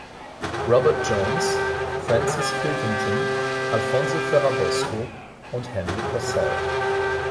Robert Jones, Francis Pilkington, Alfonso Ferrabosco und Henry Purcell.